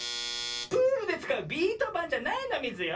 プールでつかうビートばんじゃないのミズよ。